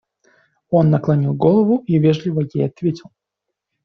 Он наклонил голову и вежливо ей ответил.